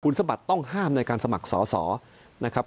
ขุนสบัตรต้องห้ามในการสมัครศาสตร์